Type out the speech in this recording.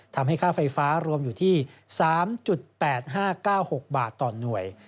ทำให้ค่าไฟฟ้ารวมอยู่ที่๓๘๕๙๖บาทต่อหน่วย